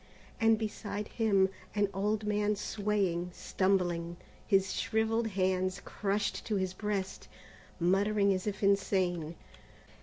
and beside him, an old man swaying, stumbling, his shrivelled hands crushed to his breast, muttering as if insane.